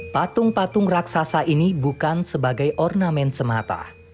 patung patung raksasa ini bukan sebagai ornamen semata